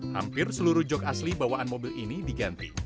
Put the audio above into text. hampir seluruh jog asli bawaan mobil ini diganti